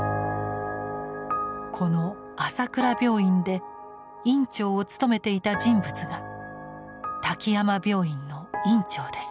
この朝倉病院で院長を務めていた人物が滝山病院の院長です。